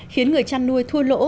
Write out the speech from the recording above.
khiến người chăn nuôi thua lỗ